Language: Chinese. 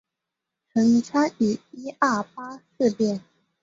曾参与一二八事变。